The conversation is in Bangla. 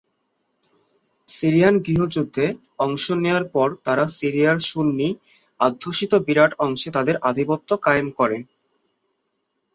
সিরিয়ান গৃহযুদ্ধে অংশ নেয়ার পর তারা সিরিয়ার সুন্নি অধ্যুষিত বিরাট অংশে তাদের আধিপত্য কায়েম করে।